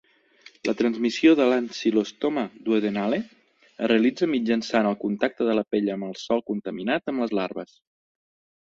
La transmissió de l'Ancylostoma duodenale es realitza mitjançant el contacte de la pell amb el sòl contaminat amb les larves.